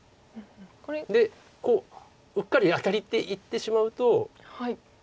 でうっかりアタリっていってしまうと。